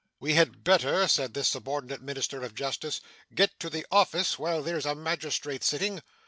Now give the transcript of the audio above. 'We had better,' said this subordinate minister of justice, 'get to the office while there's a magistrate sitting.